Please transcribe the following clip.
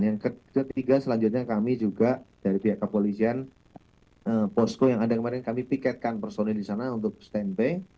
yang ketiga selanjutnya kami juga dari pihak kepolisian posko yang ada kemarin kami piketkan personil di sana untuk stand by